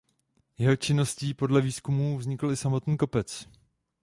Jeho činností podle výzkumů vznikl i samotný kopec.